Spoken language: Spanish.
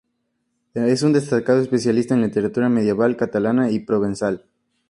Es un destacado especialista en literatura medieval catalana y provenzal.